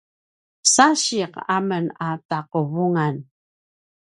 sasiq amen a taquvungan